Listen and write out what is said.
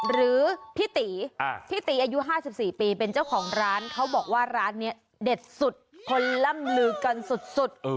หรือพี่ตีพี่ตีอายุ๕๔ปีเป็นเจ้าของร้านเขาบอกว่าร้านนี้เด็ดสุดคนล่ำลือกันสุด